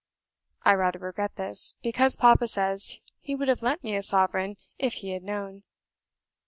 I rather regret this, because papa says he would have lent me a sovereign if he had known.